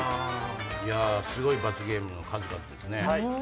いやすごい罰ゲームの数々ですね。